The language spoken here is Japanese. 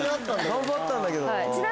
頑張ったんだけどな。